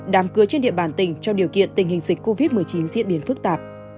đám cưới trên địa bàn tỉnh trong điều kiện tình hình dịch covid một mươi chín diễn biến phức tạp